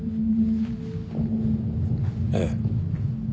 ええ。